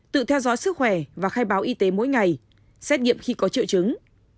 tự theo dõi sức khỏe và khai báo y tế mỗi ngày xét nghiệm khi có triệu chứng